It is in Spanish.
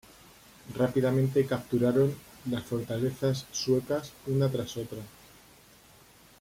Rápidamente capturaron las fortalezas suecas una tras otra.